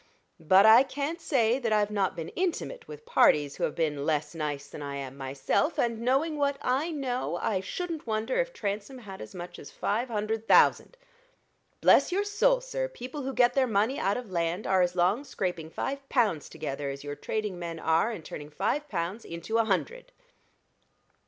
But I can't say that I've not been intimate with parties who have been less nice than I am myself; and knowing what I know, I shouldn't wonder if Transome had as much as five hundred thousand. Bless your soul, sir! people who get their money out of land are as long scraping five pounds together as your trading men are in turning five pounds into a hundred."